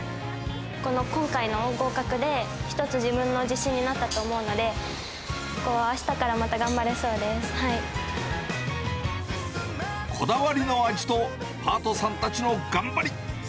今回の合格で、一つ自分の自信になったと思うので、あしたからまた頑張れそうでこだわりの味とパートさんたちの頑張り。